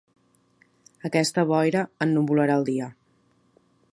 Aquesta boira ennuvolarà el dia.